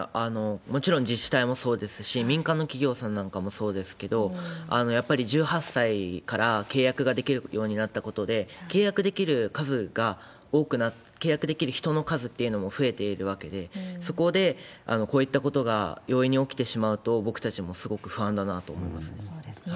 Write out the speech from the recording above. もちろん自治体もそうですし、民間の企業さんなんかもそうですけど、やっぱり１８歳から契約ができるようになったことで、契約できる人の数っていうのも増えているわけで、そこでこういったことが容易に起きてしまうと、僕たちもすごく不安だなと思いますね。